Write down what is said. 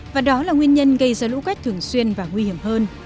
và đó là nguyên nhân gây ra lũ quét thường xuyên và nguy hiểm hơn